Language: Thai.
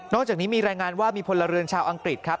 จากนี้มีรายงานว่ามีพลเรือนชาวอังกฤษครับ